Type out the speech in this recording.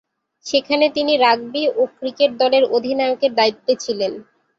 সেখানে তিনি রাগবি ও ক্রিকেট দলের অধিনায়কের দায়িত্বে ছিলেন।